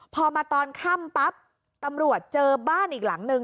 พอมาตอนค่ำปั๊บตำรวจเจอบ้านอีกหลังนึง